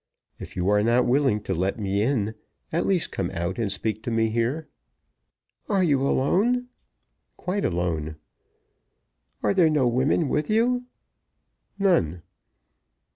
If you are not willing to let me in, at least come out and speak to me here." "Are you alone?" "Quite alone." "Are there no women with you?" "None."